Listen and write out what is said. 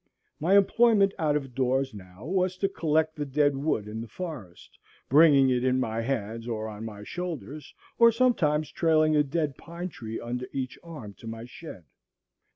My employment out of doors now was to collect the dead wood in the forest, bringing it in my hands or on my shoulders, or sometimes trailing a dead pine tree under each arm to my shed.